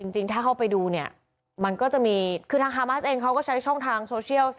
จริงถ้าเข้าไปดูเนี่ยมันก็จะมีคือทางฮามาสเองเขาก็ใช้ช่องทางโซเชียล